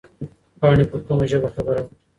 پاڼې په کومه ژبه خبره وکړه؟